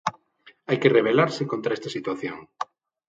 Hai que rebelarse contra esta situación.